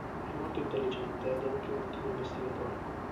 È molto intelligente ed è anche un ottimo investigatore.